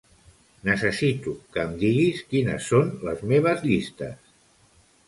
Necessito que em diguis quines són les meves llistes.